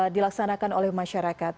dilaksanakan oleh masyarakat